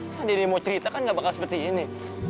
sandi ini mau cerita kan nggak bakal seperti ini